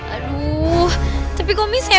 aduh tapi kok misalnya